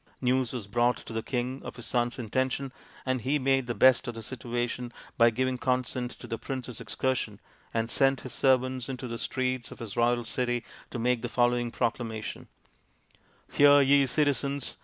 News was brought to the king of his son's intention, and he made the best of the situation by giving consent to the prince's excur sion, and sent his servants into the streets of his royal city to make the following proclamation: " Hear, ye citizens.